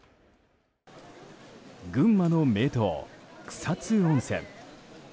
群馬の名湯・草津温泉。